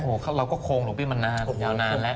โอ้โหเราก็คงดอกเบี้ยมานานยาวนานแล้ว